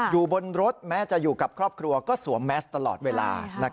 อยู่บนรถแม้จะอยู่กับครอบครัวก็สวมแมสตลอดเวลา